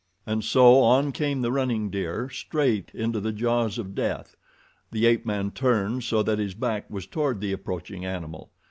And so, on came the running deer, straight into the jaws of death. The ape man turned so that his back was toward the approaching animal.